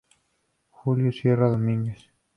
Julio Sierra Domínguez.